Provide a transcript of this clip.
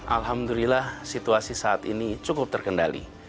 alhamdulillah situasi saat ini cukup terkendali